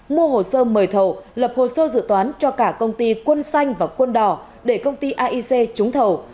mua hồ sơ mời thầu lập hồ sơ dự toán cho cả công ty quân xanh và quân đỏ để công ty aic trúng thầu